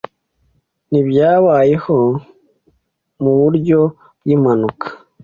ntibyabayeho mu buryo bw’impanuka.